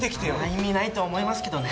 意味ないと思いますけどね。